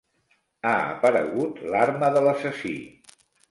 Ha aparegut l'arma de l'assassí.